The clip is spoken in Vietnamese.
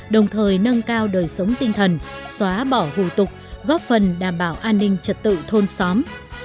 đồng thời nâng cao đời sống tinh thần xóa bỏ hù tục góp phần đảm bảo an ninh trật tự thôn xóm